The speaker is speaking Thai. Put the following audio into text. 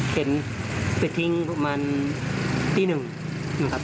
เป็นเขินทิ้งหนึ่งนะครับ